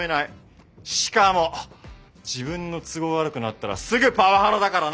しかも自分の都合が悪くなったらすぐパワハラだからな！